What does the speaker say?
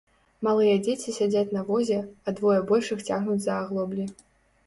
Малыя дзеці сядзяць на возе, а двое большых цягнуць за аглоблі.